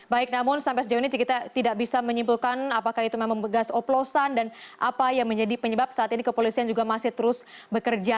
baik namun sampai sejauh ini kita tidak bisa menyimpulkan apakah itu memang begas oplosan dan apa yang menjadi penyebab saat ini kepolisian juga masih terus bekerja